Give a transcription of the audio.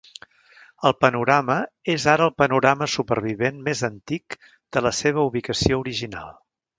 El panorama és ara el panorama supervivent més antic de la seva ubicació original.